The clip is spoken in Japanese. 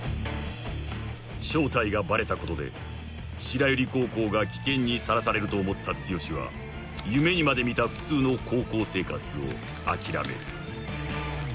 ［正体がバレたことで白百合高校が危険にさらされると思った剛は夢にまで見た普通の高校生活を諦める］